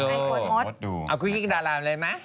เอากุ๊กกิ๊กดาหล่ะเลยไหม